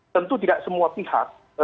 tentu tidak semua pihak